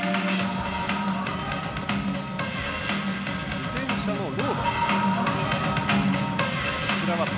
自転車のロード。